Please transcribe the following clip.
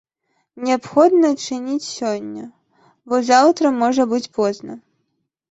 Неабходна адчыніць сёння, бо заўтра можа быць позна!